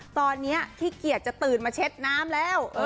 ตอนนี้ขี้เกียจจะตื่นมาเช็ดน้ำแล้ว